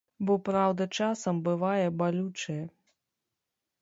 Бо праўда часам бывае балючая.